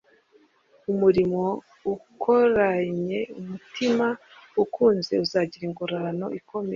Umurimo ukorariyve umutima ukunze uzagira ingororano ikomeye.